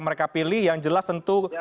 mereka pilih yang jelas tentu